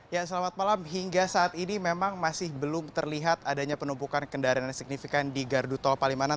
ya selamat malam hingga saat ini memang masih belum terlihat adanya penumpukan kendaraan yang signifikan di gardu tol palimanan